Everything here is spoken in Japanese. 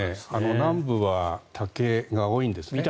南部は竹が多いんですね。